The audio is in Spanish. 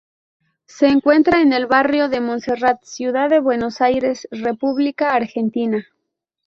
Se encuentra en el barrio de Monserrat, ciudad de Buenos Aires, República Argentina.